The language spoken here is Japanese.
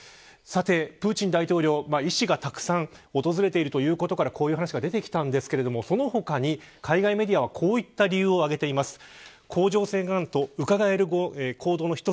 さて、プーチン大統領医師がたくさん訪れているということからこういう話が出てきたんですがその他に海外メディアはこういった理由を挙げています。